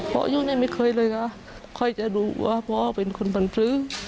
พ่ออยู่ในไม่เคยเลยค่ะค่อยจะรู้ว่าพ่อเป็นคนบรรพฤษ